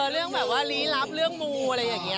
เรื่องแบบว่าลี้ลับเรื่องมูอะไรอย่างนี้